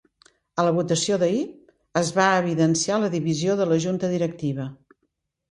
A la votació d’ahir, es va evidenciar la divisió de la junta directiva.